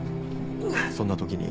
そんな時に。